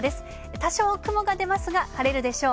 多少雲が出ますが、晴れるでしょう。